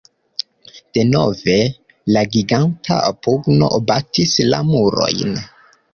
Denove la giganta pugno batis la murojn.